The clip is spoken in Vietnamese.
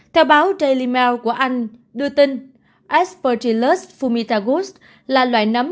theo báo daily mail của anh đưa tin aspergillus fumicatus là loại nấm